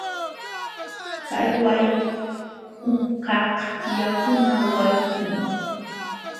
Kay wayqukaq yakuna wayqum.